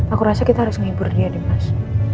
aku rasa kita harus menghibur dia nih mas